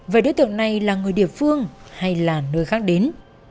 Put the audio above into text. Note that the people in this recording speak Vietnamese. vậy đối tượng này là người địa phương hay là nơi khác đến